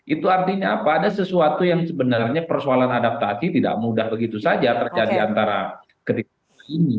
itu artinya apa ada sesuatu yang sebenarnya persoalan adaptasi tidak mudah begitu saja terjadi antara ketiga ini